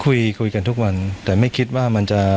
ก็รู้สึกอุ๊กอาดนะทำอะไรไม่ไว้หน้า